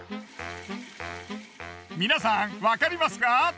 皆さんわかりますか？